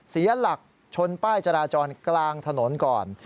เสียหลักชนป้ายจราจรกลางถนนก่อน